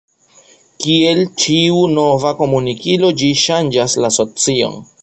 Kiel ĉiu nova komunikilo ĝi ŝanĝas la socion.